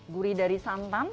gurih dari santan